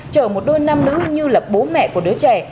chở một đôi nam nữ như là bố mẹ của đứa trẻ